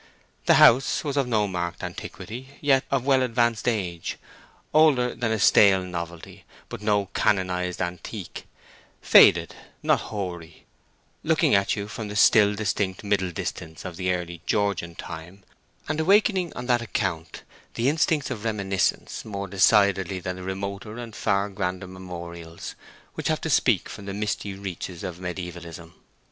The house was of no marked antiquity, yet of well advanced age; older than a stale novelty, but no canonized antique; faded, not hoary; looking at you from the still distinct middle distance of the early Georgian time, and awakening on that account the instincts of reminiscence more decidedly than the remoter and far grander memorials which have to speak from the misty reaches of mediaevalism.